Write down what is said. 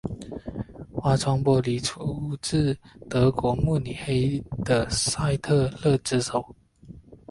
花窗玻璃出自德国慕尼黑的赛特勒之手。